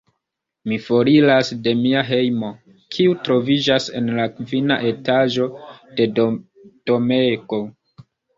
Mi foriras de mia hejmo, kiu troviĝas en la kvina etaĝo de domego.